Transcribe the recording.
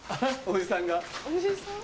おじさん？